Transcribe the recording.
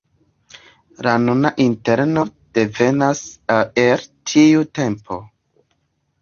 La nuna interno devenas el tiu tempo.